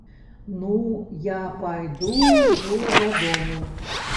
Ну, я пайду ўжо дадому.